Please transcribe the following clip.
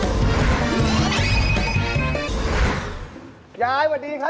มีความรู้สึกว่ามีความรู้สึกว่า